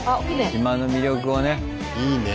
島の魅力をね。